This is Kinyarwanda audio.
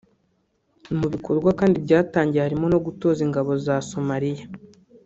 mu bikorwa kandi byatangiye harimo no gutoza ingabo za Somaliya